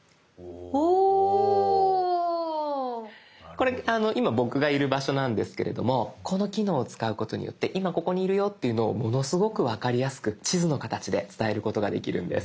これ今僕がいる場所なんですけれどもこの機能を使うことによって今ここにいるよっていうのをものすごく分かりやすく地図の形で伝えることができるんです。